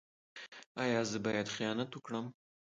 ایا زه باید خیانت وکړم؟